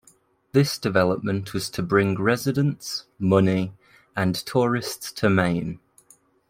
This development was to bring residents, money, and tourists to Maine.